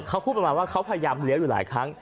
เขาพูดประมาณว่าเขาพยายามเลี้ยวอยู่หลายครั้ง